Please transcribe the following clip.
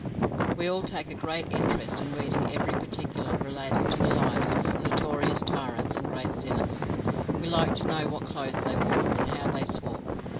We all take a great interestin reading every particular relating to the lives of notorious tyrants and great sinners; we like to know what clothes they wore, and how they swore.